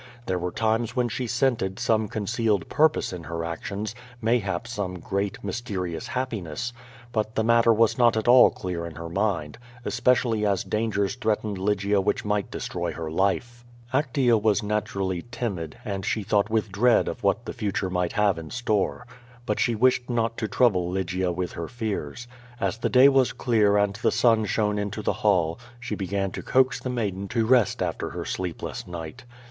There were times when she scented some concealed purpose in her actions, mayhap some great, mysterious happiness; but the matter was not at all clear in her mind, especially as dangers threatened Lygia which might destroy her life. Actea was naturally timid, and she thought with diead of what the QUO VADIB. 79 fature might have in store. But she wished not to troubk^ Lygia with her fears. As the day was clear and the sun shone into the liall, she began to coax the maiden to rest after her sleepless night.